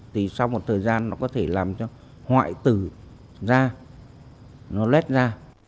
thì sau một thời gian nó có thể làm cho hoại tử ra nó lét ra